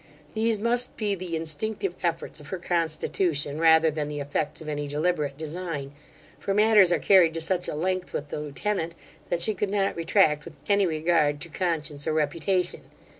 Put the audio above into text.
These must be the instinctive efforts of her constitution, rather than the effects of any deliberate design; for matters are carried to such a length with the lieutenant, that she could not retract with any regard to conscience or reputation.